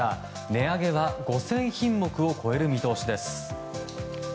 値上げは５０００品目を超える見通しです。